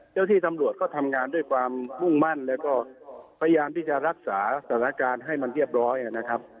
เจ้าที่ตำรวจก็ทำงานด้วยความมุ่งมั่นแล้วก็พยายามที่จะรักษาสถานการณ์ให้มันเรียบร้อยนะครับ